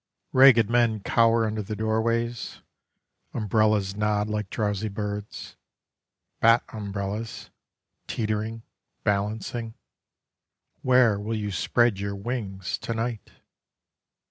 Ragged men cower Under the doorways: Umbrellas nod like drowsy birds. Bat umbrellas, Teetering, balancing, Where will you spread your wings to night?